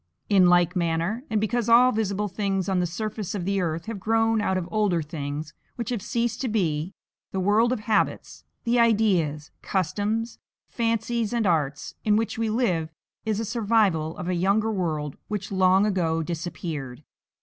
In like manner, and because all visible things on the surface of the earth have grown out of older things which have ceased to be, the world of habits, the ideas, customs, fancies, and arts, in which we live is a survival of a younger world which long ago disappeared.